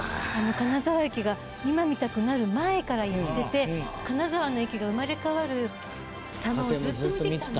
金沢駅が今みたくなる前から行ってて金沢の駅が生まれ変わる様をずっと見てきたんです。